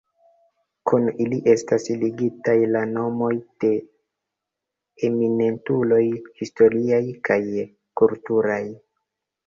Kun ili estas ligitaj la nomoj de eminentuloj historiaj kaj kulturaj.